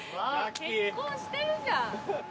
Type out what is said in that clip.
結婚してるじゃん。